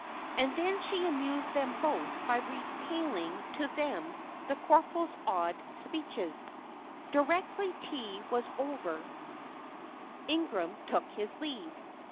And then she amused them both by retailing to them the corporal's odd speeches. Directly tea was over Ingram took his leave.